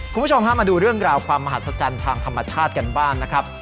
คุณผู้ชมฮะมาดูเรื่องราวความมหัศจรรย์ทางธรรมชาติกันบ้างนะครับ